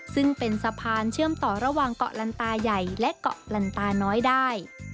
ซึ่งเป็นสะพานเชื่อมต่อระหว่างเกาะลันตาใหญ่และเกาะลันตาน้อยได้